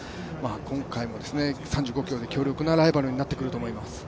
今回も３５ｋｍで強力なライバルになってくると思います。